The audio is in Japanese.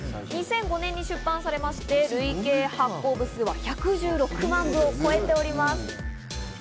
２００５年に出版されまして、累計発行部数は１１６万部を超えております。